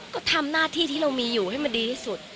ก็ทำหน้าที่ที่เรามีอยู่ให้มันดีที่สุด